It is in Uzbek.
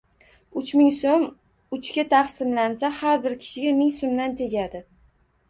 Uch ming so‘m uchga taqsimlansa, har bir kishiga ming so‘mdan tegadi.